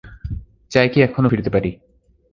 চাই কি এখানেও ফিরতে পারি।